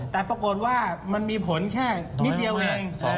แต่ปรากฏว่ามันมีผลแค่นิดเดียวเอง